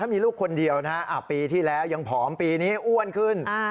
มีลูกคนเดียวนะฮะปีที่แล้วยังผอมปีนี้อ้วนขึ้น